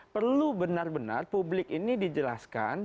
perlu benar benar publik ini dijelaskan